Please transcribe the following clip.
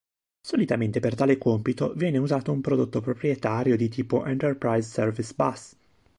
Solitamente per tale compito viene usato un prodotto proprietario di tipo Enterprise Service Bus.